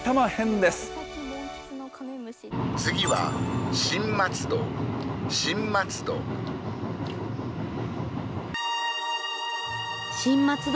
次は新松戸、新松戸。